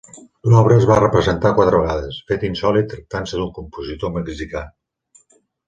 L'obra es va representar quatre vegades, fet insòlit tractant-se d'un compositor mexicà.